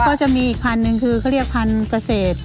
ก็จะมีอีกพันหนึ่งคือเขาเรียกพันธุ์เกษตร